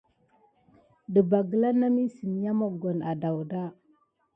Ɗəɓɑ gla nami siya mokoni sakuba.